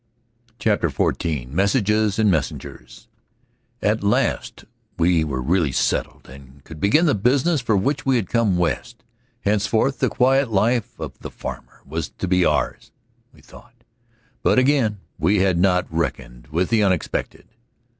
] CHAPTER FOURTEEN MESSAGES AND MESSENGERS AT last we were really settled and could begin the business for which we had come West; henceforth the quiet life of the farmer was to be ours, we thought. But again we had not reckoned with the unexpected.